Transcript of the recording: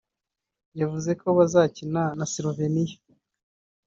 yavuze ko bazakina na Slovenia